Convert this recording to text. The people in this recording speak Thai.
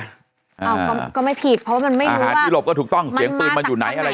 อ้าวก็ไม่ผิดอาหารที่หลบก็ถูกต้องเสียงปืนมันอยู่ไหนอะไรยังไง